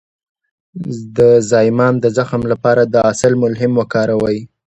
د زایمان د زخم لپاره د عسل ملهم وکاروئ